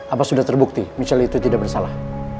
apa sudah terbukti misalnya itu tidak bersalah